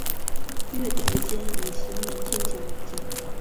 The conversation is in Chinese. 月台间以行人天桥连接。